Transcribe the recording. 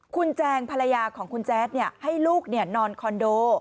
คุณแจงภรรยาของคุณแจ๊ดให้ลูกนอนคอนโด